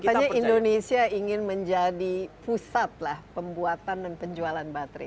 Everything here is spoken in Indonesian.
dan katanya indonesia ingin menjadi pusat lah pembuatan dan penjualan baterai